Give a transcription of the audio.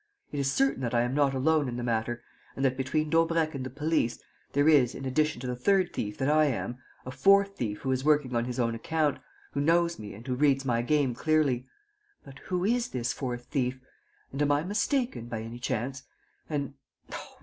It is certain that I am not alone in the matter and that, between Daubrecq and the police, there is, in addition to the third thief that I am, a fourth thief who is working on his own account, who knows me and who reads my game clearly. But who is this fourth thief? And am I mistaken, by any chance? And